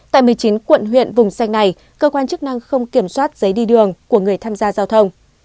tại một mươi chín quận huyện vùng xanh này cơ quan chức năng không kiểm soát giấy đi đường của người tham gia giao thông